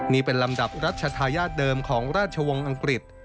นี่เป็นลำดับรัชธาญาติเดิมของราชวงศ์อังกฤษ